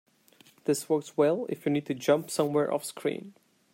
This works well if you need to jump somewhere offscreen.